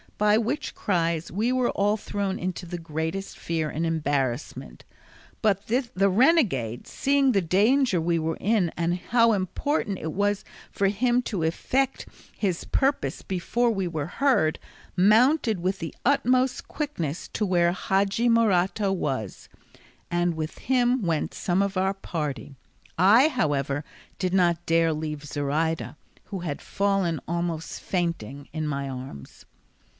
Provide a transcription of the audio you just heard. by which cries we were all thrown into the greatest fear and embarrassment; but the renegade seeing the danger we were in and how important it was for him to effect his purpose before we were heard, mounted with the utmost quickness to where Hadji Morato was, and with him went some of our party; I, however, did not dare to leave Zoraida, who had fallen almost fainting in my arms.